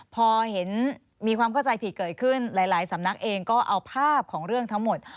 พอเห็นมีความเข้าใจผิดเกิดขึ้นหลายสำนักเองก็เอาภาพของเรื่องทั้งหมด